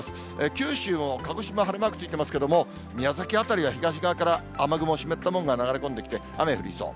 九州も鹿児島、晴れマークついていますけれども、宮崎辺りは、東側から雨雲、湿ったものが流れ込んできて、雨降りそう。